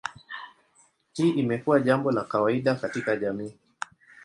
Hii imekuwa jambo la kawaida katika jamii.